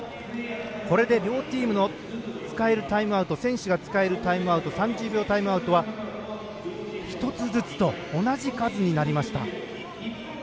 これで両チームの選手が使えるタイムアウト３０秒タイムアウトは１つずつと、同じ数になりました。